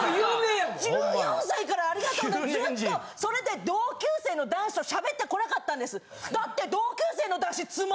それで同級生の男子と喋ってこなかったんです。